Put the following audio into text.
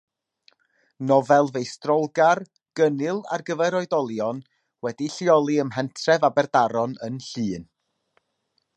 Nofel feistrolgar, gynnil ar gyfer oedolion, wedi'i lleoli ym mhentref Aberdaron yn Llŷn.